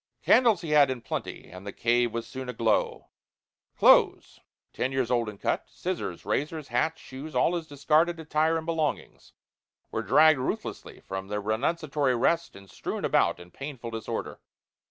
Candles he had in plenty, and the cave was soon aglow. Clothes ten years old in cut scissors, razors, hats, shoes, all his discarded attire and belongings, were dragged ruthlessly from their renunciatory rest and strewn about in painful disorder.